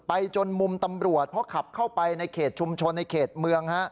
จนมุมตำรวจเพราะขับเข้าไปในเขตชุมชนในเขตเมือง